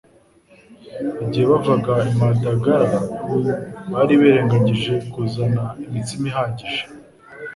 Igihe bavaga i Magadala bari birengagije kuzana imitsima ihagije.